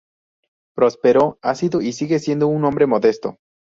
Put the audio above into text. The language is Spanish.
Próspero ha sido y sigue siendo un hombre modesto.